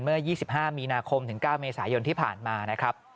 เมื่อ๒๕มีนาคมถึง๙เมษายนที่ผ่านมานะครับ